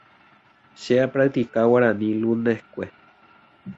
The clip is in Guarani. Che apractica Guarani luneskue.